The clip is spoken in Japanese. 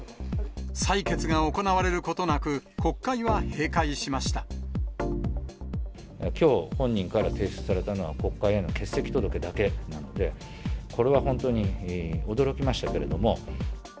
採決が行われることなく、国会はきょう、本人から提出されたのは、国会への欠席届だけなので、これは本当に驚きましたけれども。